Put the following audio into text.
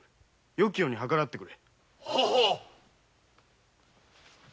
よきに計らってくれ。